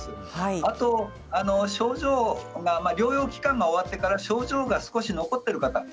あと療養期間が終わったあと症状が少し残っている方